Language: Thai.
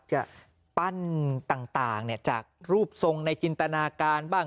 จะปั้นต่างจากรูปทรงในจินตนาการบ้าง